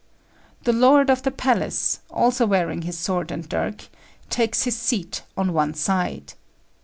The lord of the palace, also wearing his sword and dirk, takes his seat on one side.